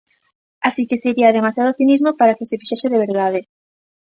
Así que sería demasiado cinismo para que se fixese de verdade.